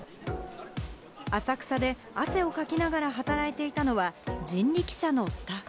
浅草で汗をかきながら働いていたのは、人力車のスタッフ。